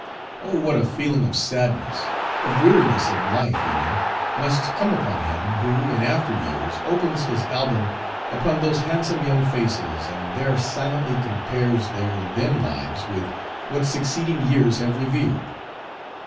Oh! what a feeling of sadness, of weariness of life even, must come upon him who in after years opens his album upon those handsome young faces, and there silently compares their then lives with what succeeding years have revealed!